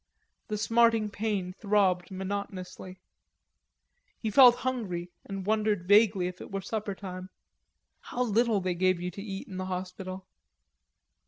The smarting pain throbbed monotonously. He felt hungry and wondered vaguely if it were supper time. How little they gave you to eat in the hospital!